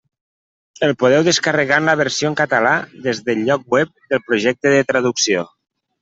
El podeu descarregar en la versió en català des del lloc web del projecte de traducció.